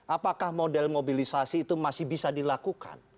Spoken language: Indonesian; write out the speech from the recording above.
apakah model mobilisasi itu masih bisa dilakukan